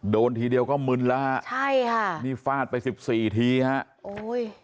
ทีเดียวก็มึนแล้วฮะใช่ค่ะนี่ฟาดไปสิบสี่ทีฮะโอ้ย